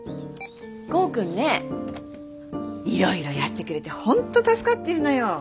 剛くんねいろいろやってくれて本当助かってるのよ。